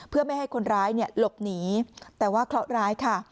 เพื่อไม่ให้คนร้ายหลบหนีแต่ว่าเคราะห์ร้ายค่ะ